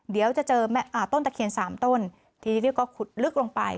เดี๋ยวจะเจอแม่อ่าต้นตะเคียนสามต้นทีนี้เราก็ขุดลึกลงไป